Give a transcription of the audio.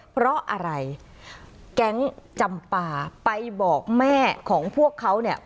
เพราะอะไรแก๊งจำปาไปบอกแม่ของพวกเขาเนี่ย